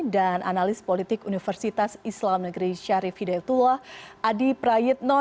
dan analis politik universitas islam negeri syarif hidayatullah adi prayitno